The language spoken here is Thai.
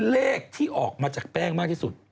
เลขที่ออกมาจากแป้งมากที่สุด